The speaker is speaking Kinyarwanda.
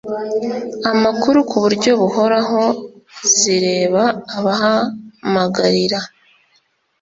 amakuru ku buryo buhoraho zireba abahamagarira